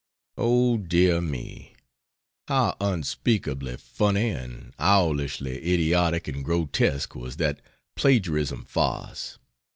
Oh, dear me, how unspeakably funny and owlishly idiotic and grotesque was that "plagiarism" farce!